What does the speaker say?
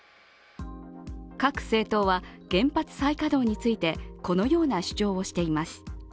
各政党は原発再稼働についてこのような主張をしています。